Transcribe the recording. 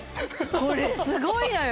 これすごいのよ！